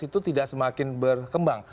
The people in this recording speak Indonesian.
itu tidak semakin berkembang